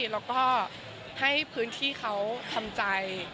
แล้วก็ให้พื้นที่เขาทำใจ